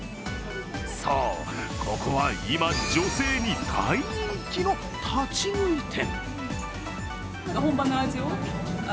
そう、ここは今女性に大人気の立ち食い店。